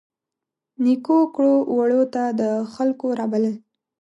نیکو کړو وړو ته د خلکو رابلل.